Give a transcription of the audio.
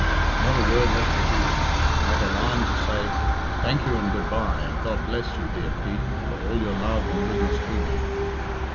Not a word left behind. Not a line to say, 'Thank you and good bye and God bless you, dear Pete, for all your love and goodness to rae."'